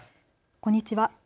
こんにちは。